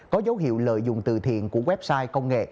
có dấu hiệu lợi dụng từ thiện của website công nghệ